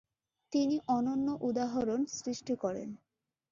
তিনি অনন্য উদাহরণ সৃষ্টি করেন।